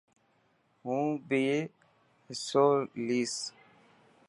هون بي حصو ليسن.